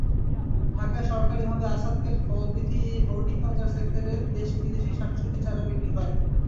ঢাকায় সরকারিভাবে আসাদগেট ফলবীথি হর্টিকালচার সেন্টারে দেশি-বিদেশি শাকসবজির চারা বিক্রি হয়।